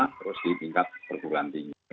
terus di tingkat perguruan tinggi